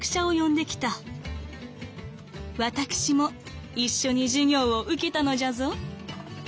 私も一緒に授業を受けたのじゃぞ」。